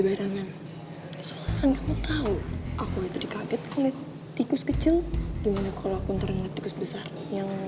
pak maaf ada apa ya pak ya